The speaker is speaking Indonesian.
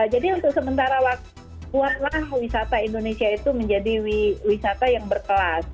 jadi untuk sementara waktu buatlah wisata indonesia itu menjadi wisata yang berkelas